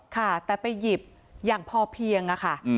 ค่ะแต่ไปหยิบอย่างพอเพียงค่ะ